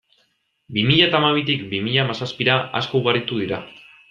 Bi mila eta hamabitik bi mila hamazazpira, asko ugaritu dira.